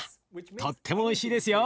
とってもおいしいですよ。